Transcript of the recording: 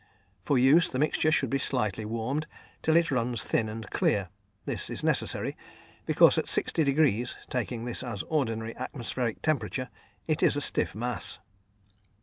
For use, the mixture should be slightly warmed till it runs thin and clear; this is necessary, because at 60° (taking this as ordinary atmospheric temperature) it is a stiff mass.